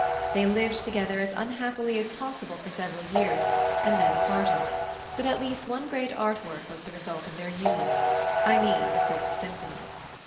They lived together as unhappily as possible for several years, and then parted; but at least one great art work was the result of their union: I mean the Fifth Symphony.